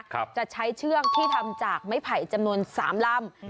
จะใช้เชือกที่ทำจากไม้ไผ่จำนวนสามลำ